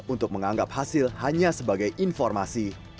untuk menganggap hasil hanya sebagai informasi